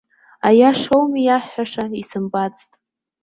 Аиашоуми иаҳҳәаша исымбацт.